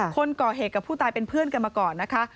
คนก่อเหตุกับผู้ตายเป็นเพื่อนกันมาก่อนนะคะ